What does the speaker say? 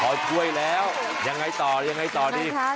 พอด้วยแล้วยังไงต่อดี